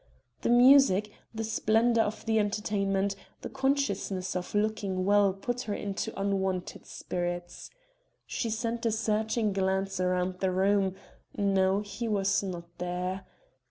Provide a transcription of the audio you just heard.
The music, the splendor of the entertainment, the consciousness of looking well put her into unwonted spirits. She sent a searching glance round the room no, he was not there.